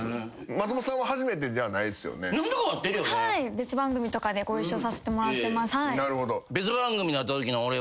別番組とかでご一緒させてもらってます。